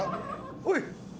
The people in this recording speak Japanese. おい。